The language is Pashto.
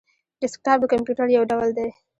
ډیسکټاپ د کمپيوټر یو ډول دی